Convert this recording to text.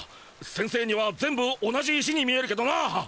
先生には全部同じ石に見えるけどな。